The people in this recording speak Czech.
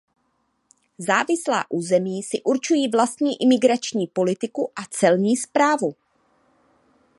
Závislá území si určují vlastní imigrační politiku a celní správu.